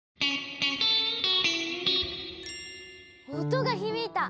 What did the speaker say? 音が響いた！